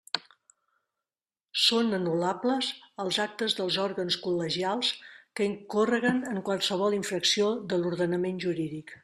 Són anul·lables els actes dels òrgans col·legials que incórreguen en qualsevol infracció de l'ordenament jurídic.